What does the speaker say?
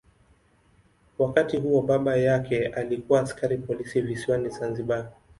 Wakati huo baba yake alikuwa askari polisi visiwani Zanzibar.